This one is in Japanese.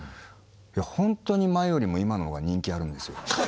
本当に前よりも今の方が人気あるんですよ。